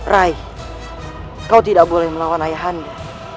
rai kau tidak boleh melawan ayahanda